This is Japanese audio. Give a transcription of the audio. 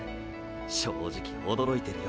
正直驚いてるよ。